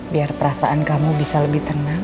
biar perasaan kamu bisa lebih tenang